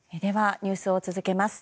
ニュースを続けます。